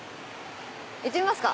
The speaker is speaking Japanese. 行ってみますか。